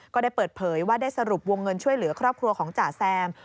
ก็ได้เปิดเผยว่าได้สรุปวงเงินช่วยเหลือครอบครัวของจ่าแซม